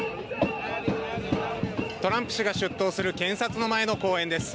トランプ氏が出頭する検察の前の公園です。